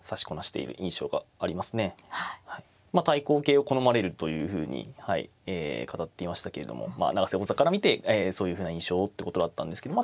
まあ対抗型を好まれるというふうに語っていましたけれども永瀬王座から見てそういうふうな印象ってことだったんですけどまあ